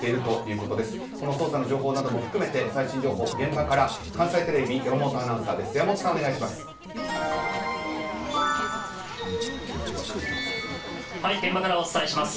この捜査の情報なども含めて最新情報現場から関西テレビの山本アナウンサー、お願いします。